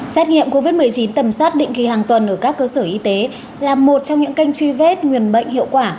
xét nghiệm covid một mươi chín tầm soát định kỳ hàng tuần ở các cơ sở y tế là một trong những kênh truy vết nguyên bệnh hiệu quả